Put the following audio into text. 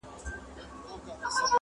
نه سازونه مي مطلب د نيمي شپې دي!.